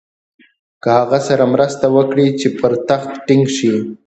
له هغه سره مرسته وکړي چې پر تخت ټینګ شي.